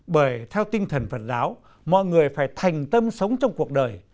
bởi theo tinh thần phật giáo mọi người phải thành tâm sống trong cuộc đời